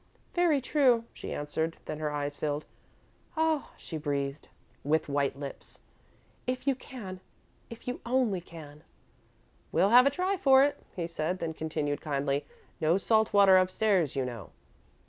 "Very true," she answered, then her eyes filled. "Oh," she breathed, with white lips, "if you can if you only can " "We'll have a try for it," he said, then continued, kindly: "no salt water upstairs, you know."